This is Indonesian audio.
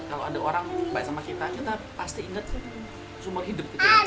kalau ada orang baik sama kita kita pasti inget seumur hidup